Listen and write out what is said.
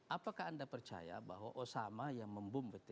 apakah anda percaya bahwa osama yang memboom btc